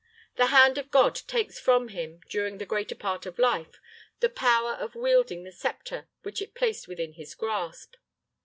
The hand of God takes from him, during the greater part of life, the power of wielding the sceptre which it placed within his grasp."